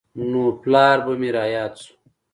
نو پلار به مې راياد سو.